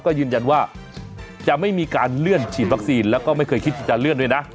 ก็ยืนยันว่าจะไม่มีการเลื่อนฉีดวัคซีนแล้วก็ไม่เคยคิดจะเลื่อนด้วยนะ